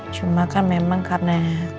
cuma kan memang karena